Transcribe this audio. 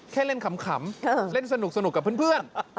แค่เล่นขำเล่นสนุกสนุกกับเพื่อนผู้ชมอ๋อ